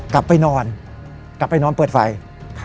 กลับไปนอนกลับไปนอนเปิดไฟ